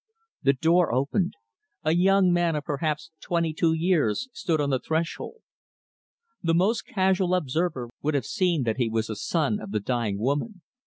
The door opened. A young man of perhaps twenty two years stood on the threshold. The most casual observer would have seen that he was a son of the dying woman.